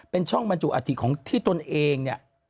เป็นช่องบรรจุอัตภิกษ์ของที่ตนเอง